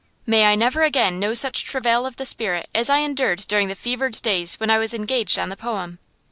May I never again know such travail of the spirit as I endured during the fevered days when I was engaged on the poem.